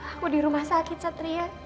aku di rumah sakit satria